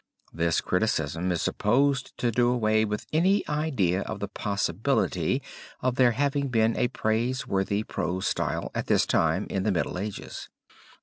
This criticism is supposed to do away with any idea of the possibility of there having been a praiseworthy prose style, at this time in the Middle Ages.